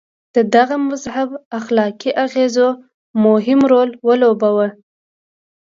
د دغه مذهب اخلاقي اغېزو مهم رول ولوباوه.